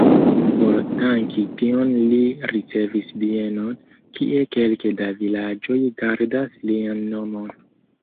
Por danki tion li ricevis bienon, kie kelke da vilaĝoj gardas lian nomon.